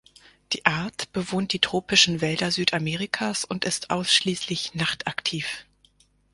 Die Art bewohnt die tropischen Wälder Südamerikas und ist ausschließlich nachtaktiv.